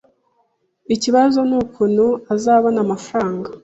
Ikibazo nukuntu azabona amafaranga